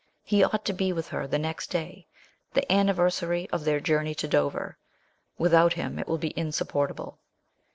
He ought to be with her the next day, the anniversary of their journey to Dover ; without him it will be insupportable.